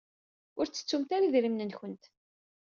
Ur tettumt ara idrimen-nkent.